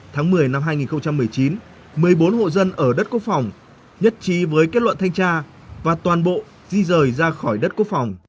tháng một mươi năm hai nghìn một mươi chín một mươi bốn hộ dân ở đất quốc phòng nhất trí với kết luận thanh tra và toàn bộ di rời ra khỏi đất quốc phòng